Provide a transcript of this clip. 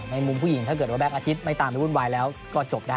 มุมผู้หญิงถ้าเกิดว่าแก๊งอาทิตย์ไม่ตามไปวุ่นวายแล้วก็จบได้